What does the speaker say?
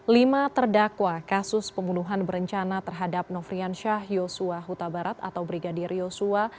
lima terdakwa kasus pembunuhan berencana terhadap nofrian syah yosua huta barat atau brigadir yosua